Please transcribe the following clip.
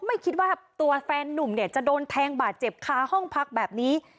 ไม่คิดว่าตัวแฟนนุ่มเนี่ยจะโดนแทงบาดเจ็บค้าห้องพักแบบนี้